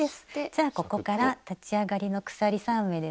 じゃあここから立ち上がりの鎖３目ですね。